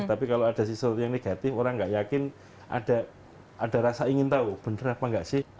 tapi kalau ada sesuatu yang negatif orang nggak yakin ada rasa ingin tahu benar apa enggak sih